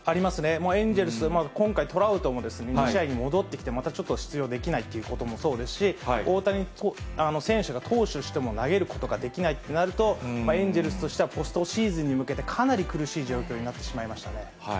もうエンゼルス、今回、トラウトも、２試合で戻ってきて、またちょっと出場できないということもそうですし、大谷選手が投手としても投げることができないってなると、エンゼルスとしては、ポストシーズンとして、かなり苦しい状況になってしまいましたね。